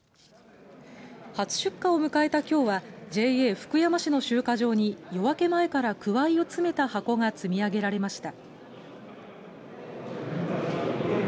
初出荷を迎えたきょうはＪＡ福山市の集荷場に夜明け前からくわいを詰めた箱が積み上げられました。